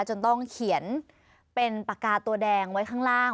จนต้องเขียนเป็นปากกาตัวแดงไว้ข้างล่าง